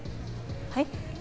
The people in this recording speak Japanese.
はい？